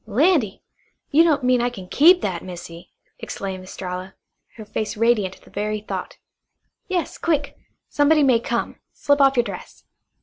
"Landy! You don't mean I kin KEEP that, Missy?" exclaimed Estralla, her face radiant at the very thought. "Yes, quick. Somebody may come. Slip off your dress."